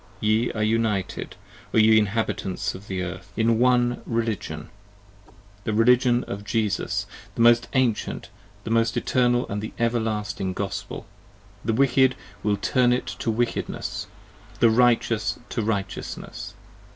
Ye are united, O ye Inhabitants of Earth, in One Religion: The Religion of Jesus: the most Ancient, the Eternal & the Everlasting Gospel. The Wicked will turn it to Wickedness, the Righteous to Righteousness.